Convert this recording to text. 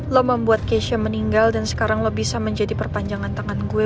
lo membuat kesha meninggal dan sekarang lo bisa menjadi perpanjangan tangan gue